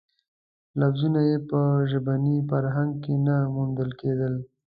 لفظونه یې په ژبني فرهنګ کې نه موندل کېدل.